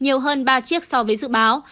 nhiều hơn ba chiếc so với dự báo